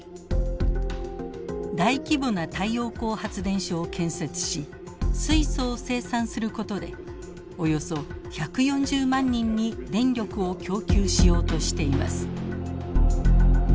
大規模な太陽光発電所を建設し水素を生産することでおよそ１４０万人に電力を供給しようとしています。